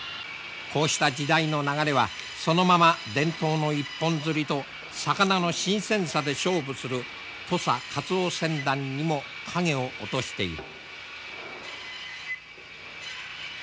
こうした時代の流れはそのまま伝統の一本づりと魚の新鮮さで勝負する土佐カツオ船団にも影を落としている。